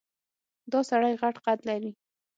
دا سړی غټ قد لري.